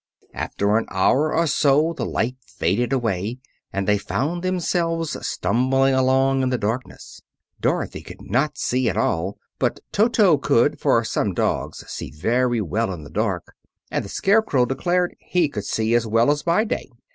After an hour or so the light faded away, and they found themselves stumbling along in the darkness. Dorothy could not see at all, but Toto could, for some dogs see very well in the dark; and the Scarecrow declared he could see as well as by day.